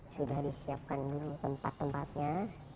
sudah disiapkan dulu tempat tempatnya